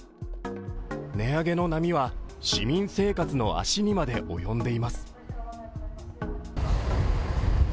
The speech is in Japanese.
値上げの波は、市民生活の足にまで及んでいます。